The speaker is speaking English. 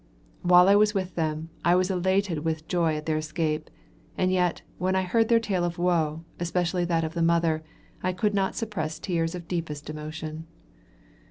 While I was with them, I was elated with joy at their escape, and yet, when I heard their tale of woe, especially that of the mother, I could not suppress tears of deepest emotion.